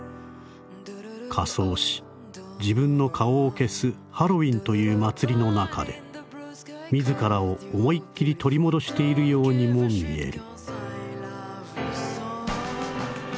仮装し自分の顔を消すハロウィンという祭りの中で自らを思いっ切り取り戻しているようにも見える」。